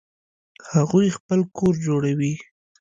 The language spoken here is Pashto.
هغوی خپل کور جوړوي